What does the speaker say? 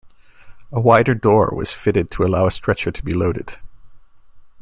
A wider door was fitted to allow a stretcher to be loaded.